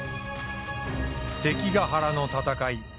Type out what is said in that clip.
関ヶ原の戦い